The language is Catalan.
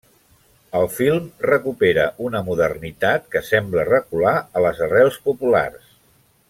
El film recupera una modernitat que sembla recular a les arrels populars.